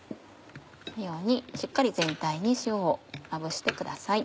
このようにしっかり全体に塩をまぶしてください。